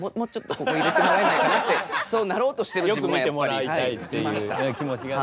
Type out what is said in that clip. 良く見てもらいたいっていう気持ちがね。